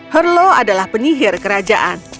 herlo adalah penyihir kerajaan